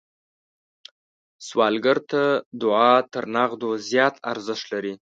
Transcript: سوالګر ته دعا تر نغدو زیات ارزښت لري